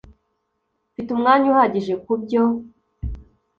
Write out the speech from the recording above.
mfite umwanya uhagije kubyo